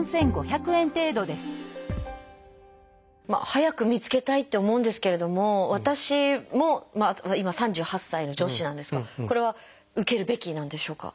早く見つけたいって思うんですけれども私も今３８歳の女子なんですがこれは受けるべきなんでしょうか？